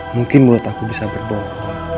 mungkin mulut aku bisa berbohong